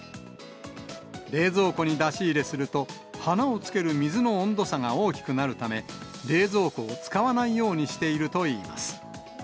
冷蔵庫に出し入れすると、花をつける水の温度差が大きくなるため、冷蔵庫を使わないようにしているといいます。